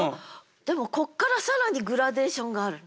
でもここからさらにグラデーションがあるの。